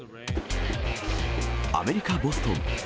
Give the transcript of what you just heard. アメリカ・ボストン。